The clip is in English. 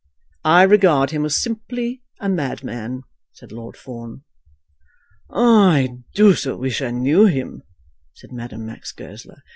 "I regard him as simply a madman," said Lord Fawn. "I do so wish I knew him," said Madame Max Goesler.